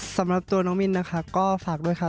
สำหรับตัวน้องมินนะคะก็ฝากด้วยค่ะ